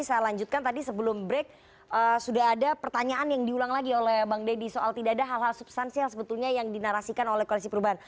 saya lanjutkan tadi sebelum break sudah ada pertanyaan yang diulang lagi oleh bang deddy soal tidak ada hal hal substansial sebetulnya yang dinarasikan oleh koalisi perubahan